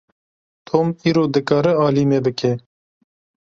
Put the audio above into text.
Tom îro dikare alî me bike.